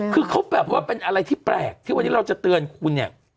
คือเขาแบบว่าเป็นอะไรที่แปลกที่วันนี้เราจะเตือนคุณเนี่ย